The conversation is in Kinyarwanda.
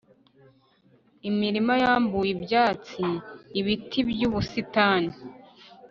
Imirima yambuwe ibyatsi ibiti byubusitani